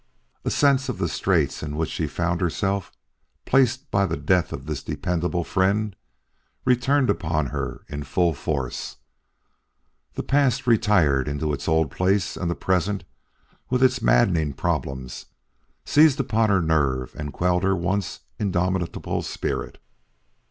A sense of the straits in which she found herself placed by the death of this dependable friend returned upon her in full force; the past retired into its old place, and the present, with its maddening problems, seized upon her nerve and quelled her once indomitable spirit.